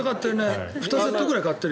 ２セットぐらい買ってるよ。